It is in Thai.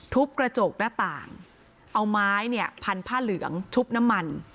กระจกหน้าต่างเอาไม้เนี่ยพันผ้าเหลืองชุบน้ำมัน